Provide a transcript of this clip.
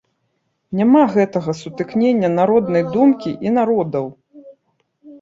Няма гэтага сутыкнення народнай думкі і народаў.